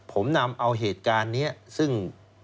ผมนำเอาเหตุการณ์นี้ซึ่ง